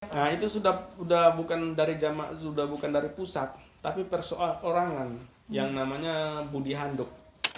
nah itu sudah bukan dari pusat tapi persoalan orangan yang namanya budi handok